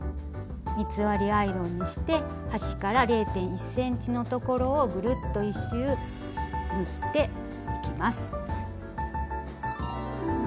三つ折りアイロンにして端から０．１ｃｍのところをぐるっと１周縫っていきます。